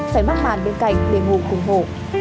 phải mắc màn bên cạnh để ngủ cùng hổ